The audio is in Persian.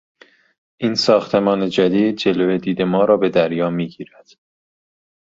این ساختمان جدید جلو دید ما را به دریا میگیرد.